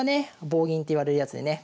棒銀っていわれるやつでね